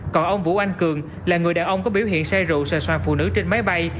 còn ông vũ anh cường là người đàn ông có biểu hiện say rượu xòa xòa phụ nữ trên máy bay